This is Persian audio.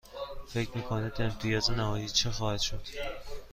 فکر می کنید امتیاز نهایی چه خواهد شد؟